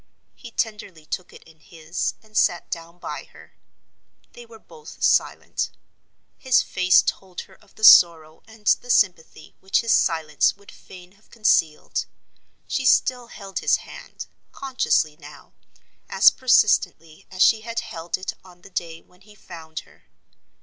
He tenderly took it in his, and sat down by her. They were both silent. His face told her of the sorrow and the sympathy which his silence would fain have concealed. She still held his hand—consciously now—as persistently as she had held it on the day when he found her.